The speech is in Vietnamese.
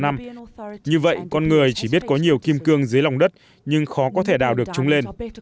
như vậy con người chỉ biết có nhiều kim cương dưới lòng đất nhưng khó có thể đào được chúng lên